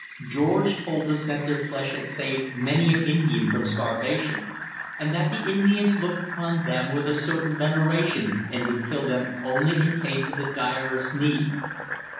George told us that their flesh had saved many an Indian from starvation, and that the Indians looked upon them with a certain veneration and would kill them only in case of the direst need.